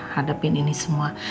hadepin ini semua